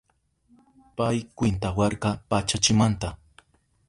Pay kwintawarka pachachimanta